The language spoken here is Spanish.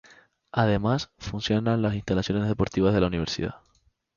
Además, funcionan las instalaciones deportivas de la Universidad.